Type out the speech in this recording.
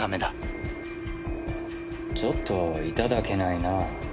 ちょっといただけないな。